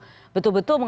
nah itu sudah diperhatikan